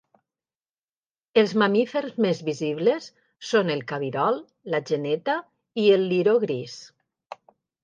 Els mamífers més visibles són el cabirol, la geneta i el liró gris.